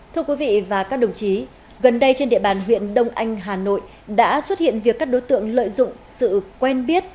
thưa quý vị và các đồng chí gần đây trên địa bàn huyện đông anh hà nội đã xuất hiện việc các đối tượng lợi dụng sự quen biết